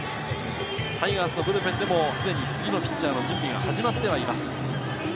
タイガースのブルペンでも次のピッチャーの準備が始まっています。